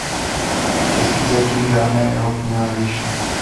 Česky zatím žádná jeho kniha nevyšla.